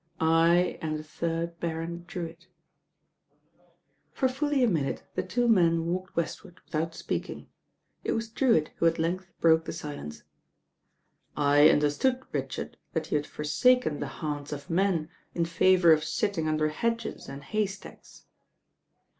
I am the third Baron Drewitt." For fully a minute the two men walked westward without speaking. It was Drewitt who at length broke the silence. "I understood, Richard, that you had forsaken the haunts of men in favour of sitting under hedges and haystacks."